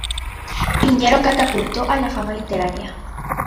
Piñero catapultó a la fama literaria.